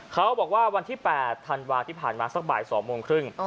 เขาบอกว่าวันที่๘ธันวาที่ผ่านมาสักบ่าย๒โมงครึ่ง